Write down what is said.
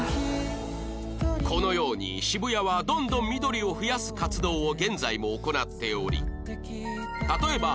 このように渋谷はどんどん緑を増やす活動を現在も行っており